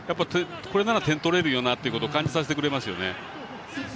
これなら点取れるよなということを感じさせてくれますよね。